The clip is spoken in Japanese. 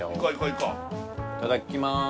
いただきます！